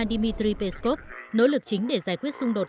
dmitry peskov nỗ lực chính để giải quyết xung đột